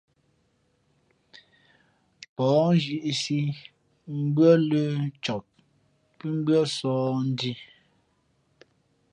Pα̌h nzhíʼsī mbʉ́ά lə̄ cak pǐ mbʉ́ά sǒh ndhī.